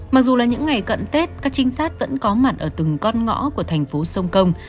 mặc dù là những ngày cận tết các trinh sát vẫn có mặt ở từng con ngõ của thành phố sông công